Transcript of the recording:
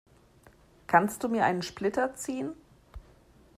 Kannst du mir einen Splitter ziehen?